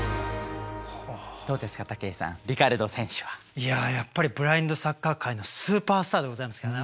いややっぱりブラインドサッカー界のスーパースターでございますからね。